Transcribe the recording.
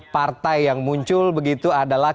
partai yang muncul begitu adalah